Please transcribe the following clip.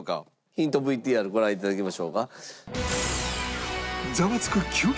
ヒントＶＴＲご覧頂きましょうか。